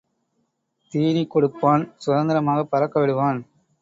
தீனி கொடுப்பான் சுதந்திரமாகப் பறக்க விடுவான்.